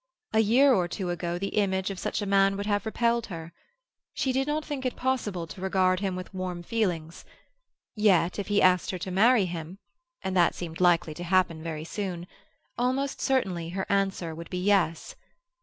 A year or two ago the image of such a man would have repelled her. She did not think it possible to regard him with warm feelings; yet, if he asked her to marry him—and that seemed likely to happen very soon—almost certainly her answer would be yes.